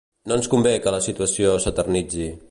No ens convé que la situació s'eternitzi.